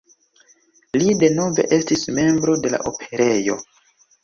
Li denove estis membro de la Operejo.